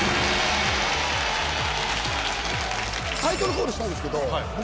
タイトルコールしたんですけど僕。